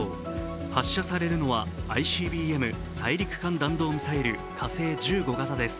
発射されるのはＩＣＢＭ＝大陸間弾道ミサイル火星１５型です。